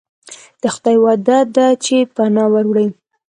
د خدای وعده ده چې پناه وروړي.